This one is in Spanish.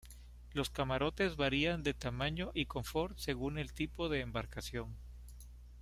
Los camarotes varían de tamaño y confort según el tipo de embarcación.